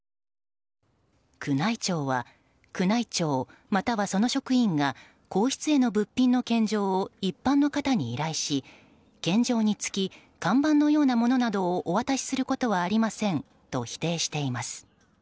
宮内庁は宮内庁またはその職員が皇室への物品への献上を一般の方に依頼し、献上につき看板のようなものなどをお渡しすることはありませんと否定しています。